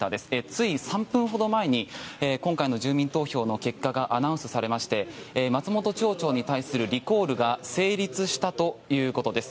つい３分ほど前に今回の住民投票の結果がアナウンスされまして松本町長に対するリコールが成立したということです。